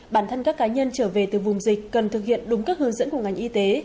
bản thân các cá nhân trở về từ vùng dịch cần thực hiện đúng các hướng dẫn của ngành y tế